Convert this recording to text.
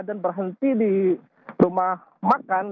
dan berhenti di rumah makan